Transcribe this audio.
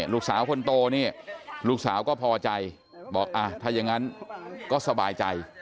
ลูกสาวคนโตนี่ลูกสาวก็พอใจบอกถ้าอย่างนั้นก็สบายใจ